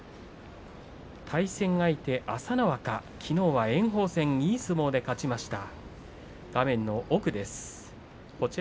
対戦相手、朝乃若きのうは炎鵬戦いい相撲で勝ちました。